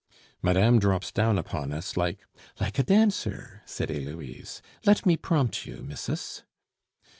"Madame drops down upon us like " "Like a dancer," said Heloise; "let me prompt you, missus!"